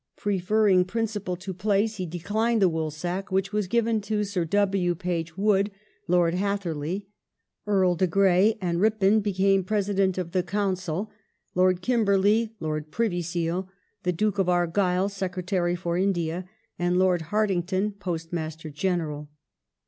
Preferring principle to place, he declined the Woolsack which was given to Sir W. Page Wood (Lord Hatherley). Earl de Grey and Ripon became President of the Council ; Lord Kimberley, Lord Privy Seal ; the Duke of Argyll, Secretary for India, and Lord Hartington, Postmaster General.